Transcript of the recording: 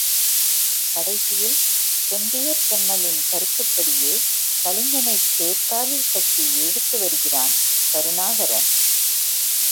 கடைசியில், செம்பியர் செம்மலின் கருத்துப்படியே கலிங்கனைத் தேர்க்காலில் கட்டி இழுத்துவருகிறான் கருணாகரன்.